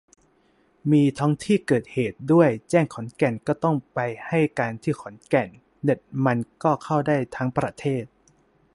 มี 'ท้องที่เกิดเหตุ' ด้วย แจ้งขอนแก่น ก็ต้องไปให้การที่ขอนแก่น เน็ตมันก็เข้าได้ทั้งประเทศ